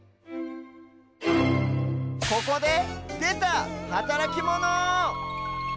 ここででたはたらきモノ！